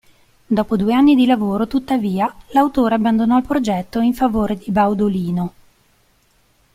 Dopo due anni di lavoro tuttavia, l'autore abbandonò il progetto in favore di "Baudolino".